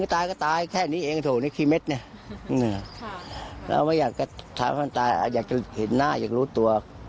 มันไม่ได้มีอะไรมาเนาะ